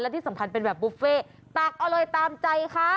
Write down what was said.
ที่สำคัญเป็นแบบบุฟเฟ่ตักเอาเลยตามใจค่ะ